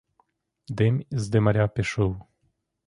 Дим з димаря пішов.